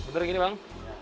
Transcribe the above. betul gini bang